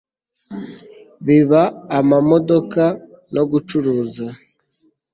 biba amamodoka no gucuruza